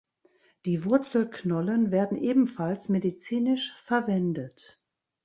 Die Wurzelknollen werden ebenfalls medizinisch verwendet.